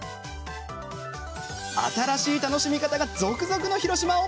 新しい楽しみ方が続々の広島を。